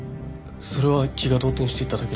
それは気が動転していただけで。